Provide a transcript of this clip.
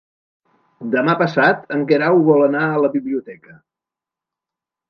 Demà passat en Guerau vol anar a la biblioteca.